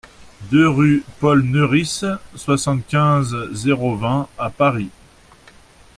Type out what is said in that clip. deux rue Paul Meurice, soixante-quinze, zéro vingt à Paris